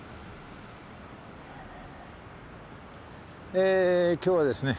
え今日はですね